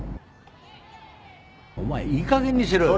お前いいかげんにしろよ。